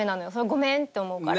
ごめんって思うから。